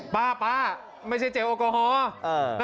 ป๊าป๊าไม่ใช่เจลอัลโกฮอล์